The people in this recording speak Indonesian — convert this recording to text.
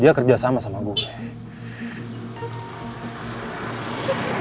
dia kerja sama sama gue